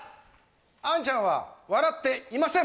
杏ちゃんは笑っていません！